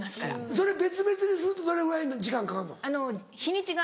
それ別々にするとどれぐらいの時間かかんの？日にちが。